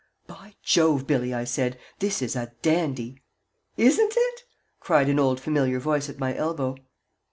"By Jove, Billie," I said, "this is a dandy!" "Isn't it!" cried an old familiar voice at my elbow.